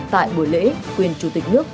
tại buổi lễ quyền chủ tịch nước